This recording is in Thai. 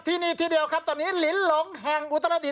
ที่นี่ที่เดียวครับตอนนี้ลินหลงแห่งอุตรดิษ